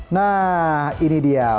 nah ini dia